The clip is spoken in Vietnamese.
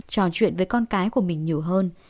trò chuyện với con cái của mình nhiều hơn